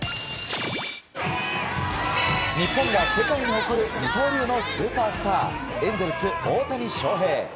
日本が世界に誇る二刀流のスーパースターエンゼルス、大谷翔平。